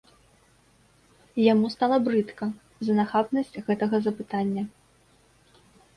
Яму стала брыдка за нахабнасць гэтага запытання.